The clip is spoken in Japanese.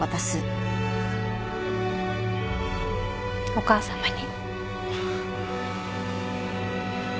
お母さまに。